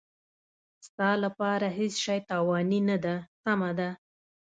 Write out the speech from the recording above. ستا لپاره هېڅ شی تاواني نه دی، سمه ده.